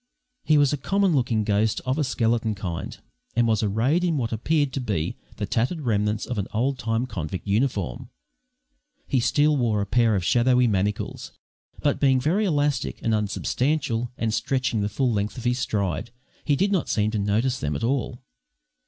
He was a common looking ghost of a skeleton kind, and was arrayed in what appeared to be the tattered remnants of an old time convict uniform. He still wore a pair of shadowy manacles, but, being very elastic and unsubstantial and stretching the full length of his stride, he did not seem to notice them at all.